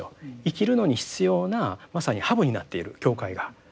生きるのに必要なまさにハブになっている教会が。